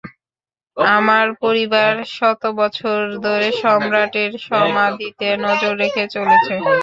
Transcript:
আমার পরিবার শতবছর ধরে সম্রাটের সমাধিতে নজর রেখে চলেছে!